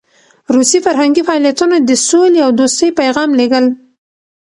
روسي فرهنګي فعالیتونه د سولې او دوستۍ پیغام لېږل.